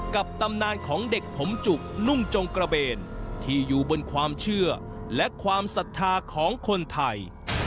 ตำนานของเด็กผมจุกนุ่งจงกระเบนที่อยู่บนความเชื่อและความศรัทธาของคนไทย